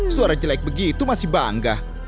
suara jelek begitu masih bangga